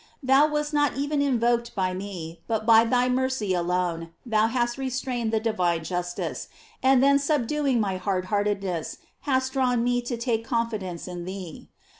Thou wast not even invoked by me, but by thy mercy alone thou hast restrained the divine justice, and then subduing my hard heartedness, hast drawn me to take confidence in thee.